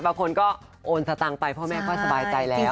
บางคนก็โอนสตางค์ไปพ่อแม่ก็สบายใจแล้ว